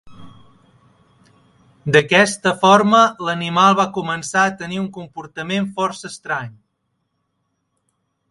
D'aquesta forma, l'animal va començar a tenir un comportament força estrany.